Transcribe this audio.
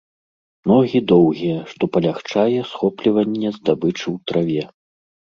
Ногі доўгія, што палягчае схопліванне здабычы ў траве.